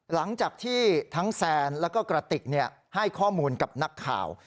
หลังจากที่ทั้งแซนแล้วก็กระติกให้ข้อมูลกับนักข่าว